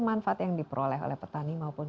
manfaat yang diperoleh oleh petani maupun